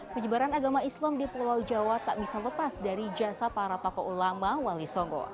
penyebaran agama islam di pulau jawa tak bisa lepas dari jasa para tokoh ulama wali songo